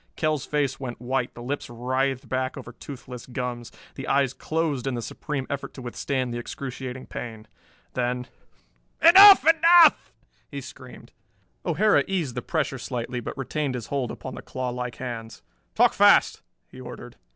Kell's face went white, the lips writhed back over toothless gums, the eyes closed in the supreme effort to withstand the excruciating pain. Then "Enough, enough!" he screamed. O'Hara eased the pressure slightly but retained his hold upon the clawlike hands. "Talk fast," he ordered.